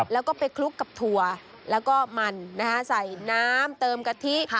แล้วก็ไปคลุกกับถั่วแล้วก็มันใส่น้ำเติมกะทิ